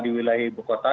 di wilayah ibu kota